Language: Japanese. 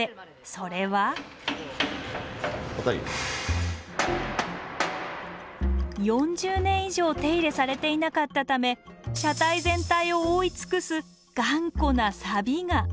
それは４０年以上手入れされていなかったため車体全体を覆い尽くす